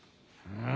うん。